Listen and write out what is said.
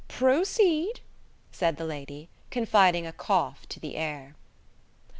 "Proceed," said the lady, confiding a cough to the air.